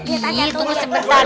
iiii tunggu sebentar